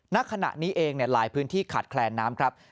ณขณะนี้เองหลายพื้นที่ขาดแคลนน้ำครับ